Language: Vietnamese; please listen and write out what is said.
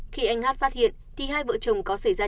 khi anh hát phát hiện thì hai vợ chồng có xảy ra